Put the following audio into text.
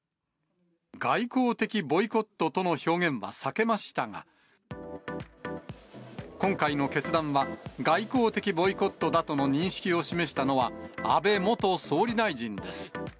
外交的ボイコットとの表現は避けましたが、今回の決断は、外交的ボイコットだとの認識を示したのは、安倍元総理大臣です。